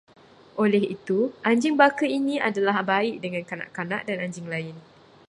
Oleh itu, anjing baka ini adalah baik dengan kanak-kanak dan anjing lain